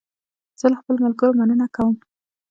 زه له خپلو ملګرو مننه کوم.